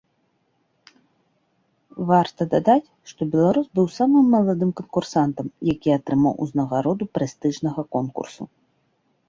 Варта дадаць, што беларус быў самым маладым канкурсантам, які атрымаў узнагароду прэстыжнага конкурсу.